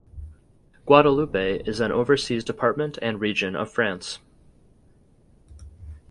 Guadeloupe is an Overseas department and region of France.